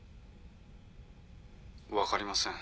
分かりません。